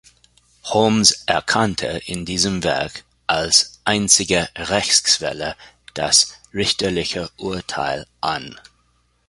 Holmes erkannte in diesem Werk als einzige Rechtsquelle das richterliche Urteil an.